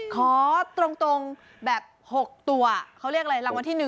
ขอตรงแบบ๖ตัวเขาเรียกอะไรรางวัลที่๑